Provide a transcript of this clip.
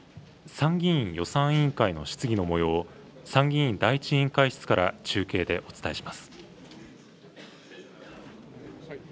参議院予算委員会の質疑のもようを、参議院第１委員会室から中継でお伝えします。